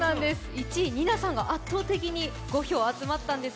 １位、ＮＩＮＡさんが圧倒的に５票集まったんです。